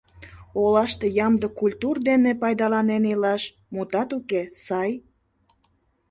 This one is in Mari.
Олаште ямде культур дене пайдаланен илаш, мутат уке, сай.